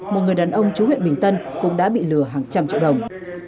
một người đàn ông chú huyện bình tân cũng đã bị lừa hàng trăm triệu đồng